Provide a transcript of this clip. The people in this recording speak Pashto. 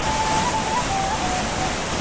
نور مي د ژوند سفر لنډ کړی دی منزل راغلی